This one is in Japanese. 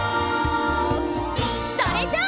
それじゃあ！